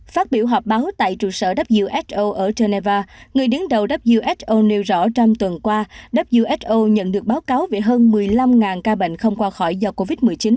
phát biểu họp báo tại trụ sở đắp di so ở geneva người đứng đầu who nêu rõ trong tuần qua who nhận được báo cáo về hơn một mươi năm ca bệnh không qua khỏi do covid một mươi chín